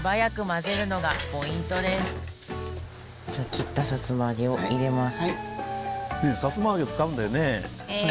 切ったさつま揚げを入れます。